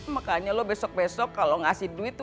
makanya lu besok besok kalo ngasih duit